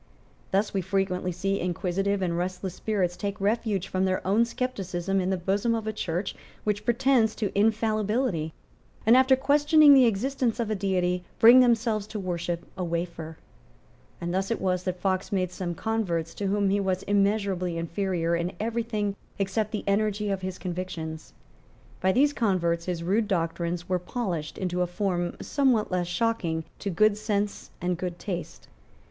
Thus we frequently see inquisitive and restless spirits take refuge from their own scepticism in the bosom of a church which pretends to infallibility, and, after questioning the existence of a Deity, bring themselves to worship a wafer. And thus it was that Fox made some converts to whom he was immeasurably inferior in every thing except the energy of his convictions. By these converts his rude doctrines were polished into a form somewhat less shocking to good sense and good taste.